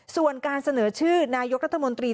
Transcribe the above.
ส่วนการเสนอชื่อนายกรัฐมนตรี